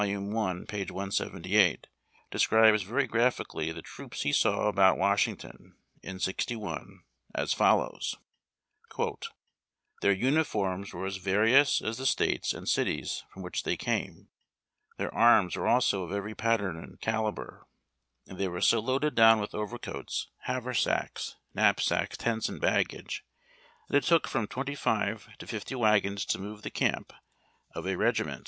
i. p. 178), describes very graphically the troops he saw about Washington in '61, as follows :—" Their uniforms were as various as the states and cities from which they came ; their arms were also of every pattern and calibre ; and they were so loaded down with overcoats, haversacks, knapsacks, tents, and baggage, that it took from twenty five to fifty wagons to move the camp of a regiment 354 HABD TACK AND COFFEE.